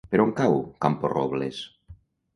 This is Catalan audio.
Per on cau Camporrobles?